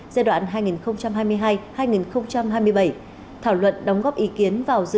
giai đoạn hai nghìn hai mươi hai hai nghìn hai mươi bảy thảo luận đóng góp ý kiến vào dự